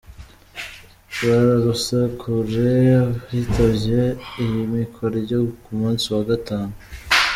Bararuse kure abitavye iyimikwa ryo ku munsi wa gatanu.